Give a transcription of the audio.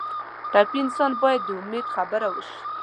ټپي انسان ته باید د امید خبره وشي.